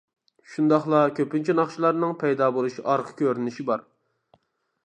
شۇنداقلا كۆپىنچە ناخشىلارنىڭ پەيدا بولۇش ئارقا كۆرۈنۈشى بار.